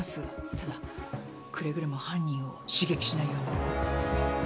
ただくれぐれも犯人を刺激しないように。